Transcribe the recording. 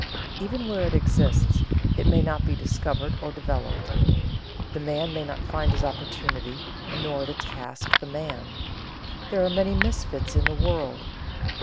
Even where it exists, it may not be discovered or developed. The man may not find his opportunity, nor the task the man. There are many misfits in the world.